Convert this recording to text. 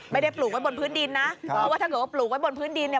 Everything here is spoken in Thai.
ปลูกไว้บนพื้นดินนะเพราะว่าถ้าเกิดว่าปลูกไว้บนพื้นดินเนี่ย